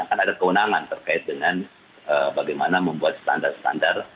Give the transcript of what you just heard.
kan ada kewenangan terkait dengan bagaimana membuat standar standar